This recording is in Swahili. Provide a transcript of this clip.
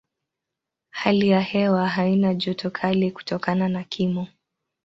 Hali ya hewa haina joto kali kutokana na kimo.